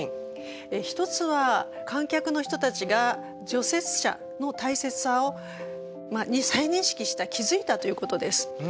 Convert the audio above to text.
一つは観客の人たちが除雪車の大切さを再認識した気付いたということです。